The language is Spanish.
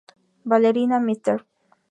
Ballerina", "Mr.